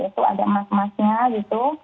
itu ada emas emasnya gitu